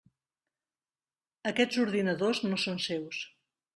Aquests ordinadors no són seus.